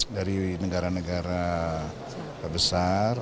dari negara negara besar